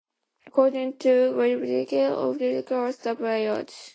According to Walid Khalidi, a railroad crosses the village.